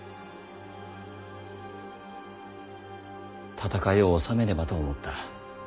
戦いを収めねばと思った。